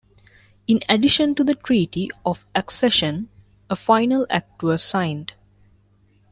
In addition to the Treaty of Accession a Final Act was signed.